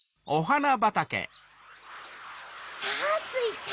さぁついた！